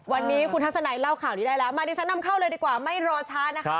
วันนี้คุณทัศนัยเล่าข่าวนี้ได้แล้วมาดิฉันนำเข้าเลยดีกว่าไม่รอช้านะคะ